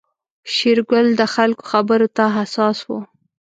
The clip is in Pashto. شېرګل د خلکو خبرو ته حساس و.